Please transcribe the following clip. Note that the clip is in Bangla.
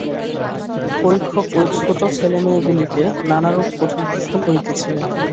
পরীক্ষক ঐ ছোট ছেলেমেয়েগুলিকে নানারূপ কঠিন প্রশ্ন করিতেছিলেন।